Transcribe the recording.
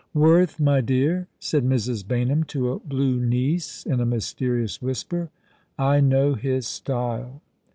"■ Worth, my dear," said Mrs. Baynham to a blue niece, in a mysterious whisper ;" I know his style."